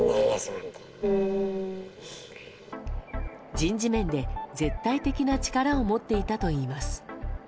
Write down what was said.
人事面で絶対的な力を持っていたといいます。